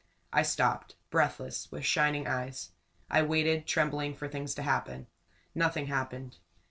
I stopped, breathless, with shining eyes. I waited, trembling, for things to happen. Nothing happened.